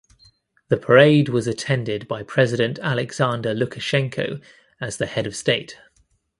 The parade was attended by President Alexander Lukashenko as the head of state.